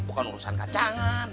bukan urusan kacangan